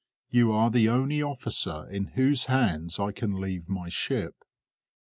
You are the only officer in whose hands I can leave my ship.